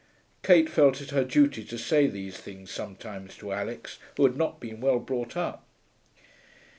Kate felt it her duty to say these things sometimes to Alix, who had not been well brought up.